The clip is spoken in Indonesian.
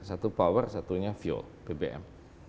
satu power satunya fuel bbm